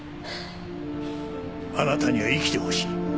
あなたには生きてほしい。